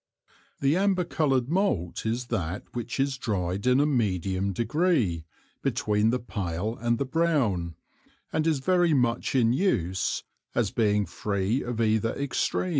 The amber colour'd Malt is that which is dryed in a medium degree, between the pale and the brown, and is very much in use, as being free of either extream.